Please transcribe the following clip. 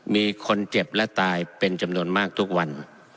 มีคนเจ็บและตายเป็นจำนวนมากทุกวัน